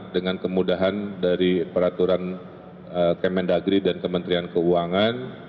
dengan kemudahan dari peraturan kementerian keuangan